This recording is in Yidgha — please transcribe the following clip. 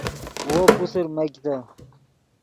وو پوسر میگتے